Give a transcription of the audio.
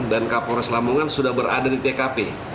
dan kepolres lamongan sudah berada di tkp